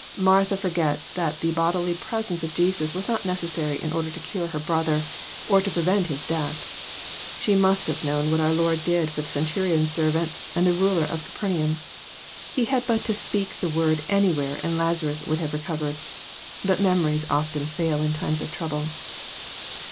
Martha forgets that the bodily presence of Jesus was not necessary in order to cure her brother, or to prevent his death. She must have known what our Lord did for the centurion's servant, and the ruler of Capernaum. He had but to speak the word any where and Lazarus would have recovered. But memories often fail in time of trouble.